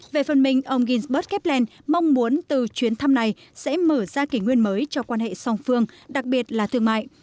về phần mình ông gilbert kepland mong muốn từ chuyến thăm này sẽ mở ra kỷ nguyên mới cho quan hệ song phương đặc biệt là thương mại